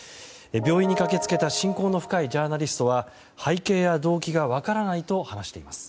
病院に駆け付けた親交の深いジャーナリストは背景や動機が分からないと話しています。